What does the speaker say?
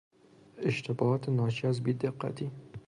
اشتباهات ناشی از بیدقتی